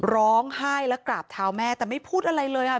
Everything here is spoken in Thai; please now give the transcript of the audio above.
ร้องไห้และกราบเท้าแม่แต่ไม่พูดอะไรเลยอ่ะ